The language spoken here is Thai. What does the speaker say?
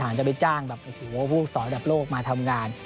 ทางจะไปจ้างผู้สอนแบบโลกมาทำงาน